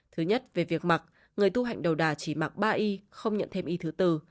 thứ nhất về việc mặc người tu hạnh đầu đà chỉ mặc ba y không nhận thêm y thứ tư